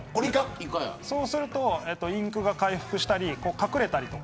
そうするとインクが回復したり隠れたり。